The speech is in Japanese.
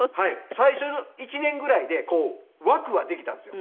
最初の１年ぐらいでこう枠はできたんですよ